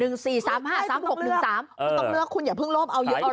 คุณต้องเลือกคุณอย่าเพิ่งโลภเอาเยอะ